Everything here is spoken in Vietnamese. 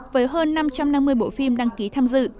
với hơn năm trăm năm mươi bộ phim đăng ký tham dự